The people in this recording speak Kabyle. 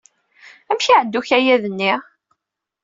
Amek i iɛedda ukayad-nni?